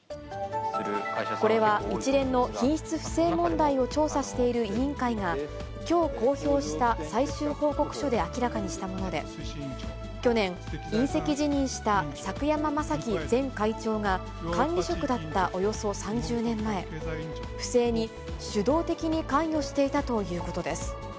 これは一連の品質不正問題を調査している委員会が、きょう公表した最終報告書で明らかにしたもので、去年、引責辞任した柵山正樹前会長が管理職だったおよそ３０年前、不正に主導的に関与していたということです。